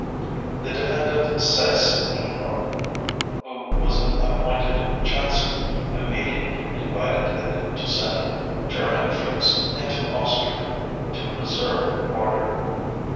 The Defendant SEYSS INQUART, who was appointed Chancellor, immediately invited Hitler to send German troops into Austria to "preserve order".